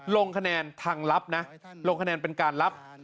ลงคะแนนทางลับนะลงคะแนนเป็นการรับ